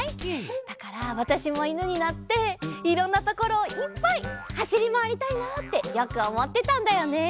だからわたしもいぬになっていろんなところをいっぱいはしりまわりたいなあってよくおもってたんだよね。